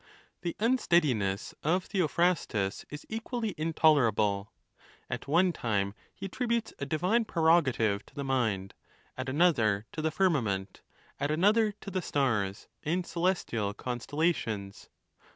The unsteadiness of Theophrastus is equally intolerable. At one time he attributes a divine prerogative to the mind ; at another, to the firmament ; at another, to the stars and celestial constellations.